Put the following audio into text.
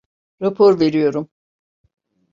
Rapor veriyorum!